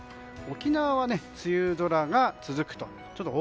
沖縄は梅雨空が続くと。